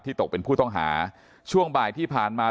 ตกเป็นผู้ต้องหาช่วงบ่ายที่ผ่านมา